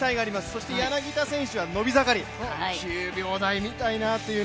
そして柳田選手は伸び盛り、９秒台見たいなと。